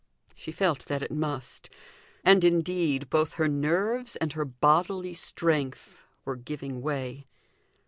She felt that it must; and indeed both her nerves and her bodily strength were giving way.